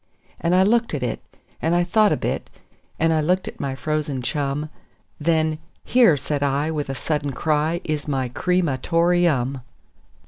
And I looked at it, and I thought a bit, and I looked at my frozen chum; Then "Here", said I, with a sudden cry, "is my cre ma tor eum."